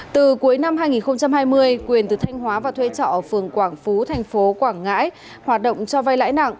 từ cuối năm hai nghìn hai mươi quyền từ thanh hóa và thuê trọ ở phường quảng phú thành phố quảng ngãi hoạt động cho vay lãi nặng